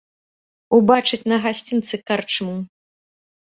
Убачыць на гасцінцы карчму.